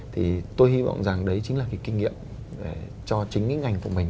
thì tôi hy vọng rằng đấy chính là cái kinh nghiệm cho chính ngành của mình